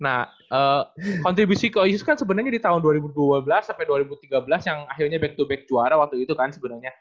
nah kontribusi ke isis kan sebenarnya di tahun dua ribu dua belas sampai dua ribu tiga belas yang akhirnya back to back juara waktu itu kan sebenarnya